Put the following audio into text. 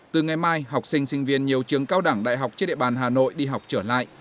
từ ngày mai học sinh sinh viên nhiều trường cao đẳng đại học trên địa bàn hà nội đi học trở lại